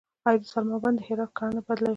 آیا د سلما بند د هرات کرنه بدله کړه؟